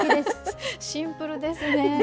シンプルですね！